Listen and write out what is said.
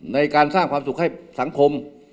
ในการสร้างความสุขให้สังคม